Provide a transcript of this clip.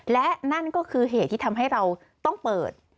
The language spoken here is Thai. และนั่นก็คือเหตุที่ทำให้เราต้องเปิด